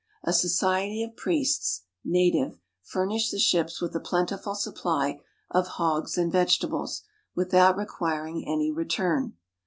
A society of priests (native) furnished the ships with a plentiful supply of hogs and vegetables, without requiring any return.